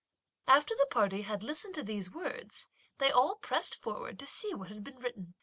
After the party had listened to these words, they all pressed forward to see what had been written.